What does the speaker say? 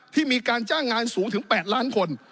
ที่มีการจ้างงานสูงถึง๘ล้านคน